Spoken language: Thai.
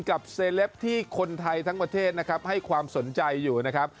เซเลปที่คนไทยทั้งประเทศนะครับให้ความสนใจอยู่นะครับ